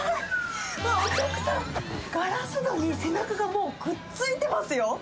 うわっ、お客さん、ガラス戸に背中がもうくっついてますよ。